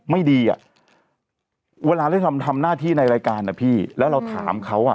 ไม่ดีอ่ะเวลาเล่นทำหน้าที่ในรายการอ่ะพี่แล้วเราถามเขาอ่ะ